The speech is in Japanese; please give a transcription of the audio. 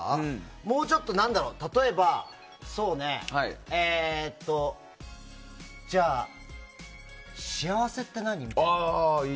もうちょっと、例えば幸せって何？みたいな。